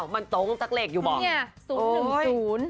๕๒๙มันตรงสักเลขอยู่บอล